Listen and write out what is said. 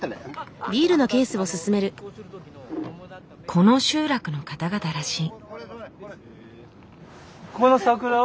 この集落の方々らしい。